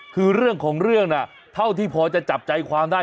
คือเรื่องของเรื่องน่ะเท่าที่พอจะจับใจความได้